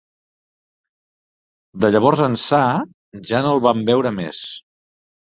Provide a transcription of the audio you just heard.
De llavors ençà, ja no el vam veure més.